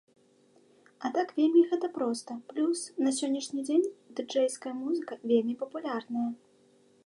А так вельмі гэта проста, плюс, на сённяшні дзень дыджэйская музыка вельмі папулярная.